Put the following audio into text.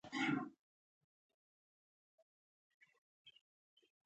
د ولسمشر حکم له مخې پریکړه وشوه.